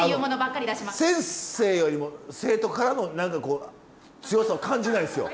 先生よりも生徒からの何かこう強さを感じないんですよ。